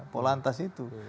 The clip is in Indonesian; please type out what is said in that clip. pol lantas itu